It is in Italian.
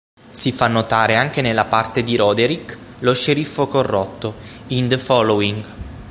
Si fa notare anche nella parte di Roderick, lo sceriffo corrotto, in "The Following.